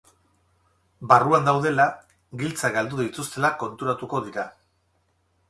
Barruan daudela, giltzak galdu dituztela konturatuko dira.